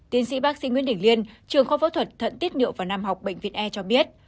tiến sĩ bác sĩ nguyễn đình liên trường khoa phẫu thuật thận tiết niệu và nam học bệnh viện e cho biết